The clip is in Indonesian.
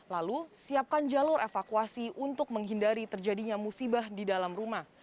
lalu siapkan jalur evakuasi untuk menghindari terjadinya musibah di dalam rumah